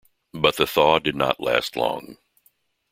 But the thaw did not last long.